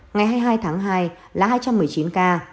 ngày hai mươi hai tháng hai là hai trăm một mươi chín ca